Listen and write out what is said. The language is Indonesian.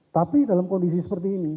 tapi dalam kondisi seperti ini